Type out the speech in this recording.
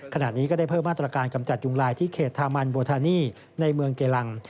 ขณะนี้ก็ได้เพิ่มมาตรการกำจัดยุงลายที่เขตทามันโบธานีในเมืองเกลัง